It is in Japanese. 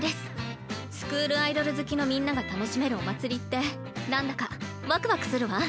「スクールアイドル好きのみんなが楽しめるお祭り」って何だかワクワクするわ。